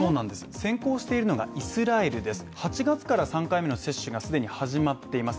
先行しているのがイスラエルです８月から３回目の接種がすでに始まっています